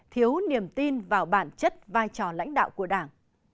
thiếu niềm tin vào bản chất vai trò lãnh đạo của đảng